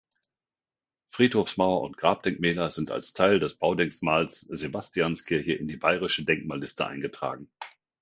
Friedhofsmauer und Grabdenkmäler sind als Teil des Baudenkmals Sebastianskirche in die Bayerische Denkmalliste eingetragen.